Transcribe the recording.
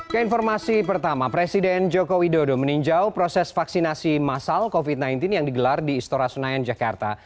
keinformasi pertama presiden joko widodo meninjau proses vaksinasi masal covid sembilan belas yang digelar di istora senayan jakarta